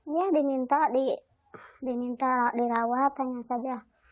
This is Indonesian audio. iya dia diminta dirawat tanya saja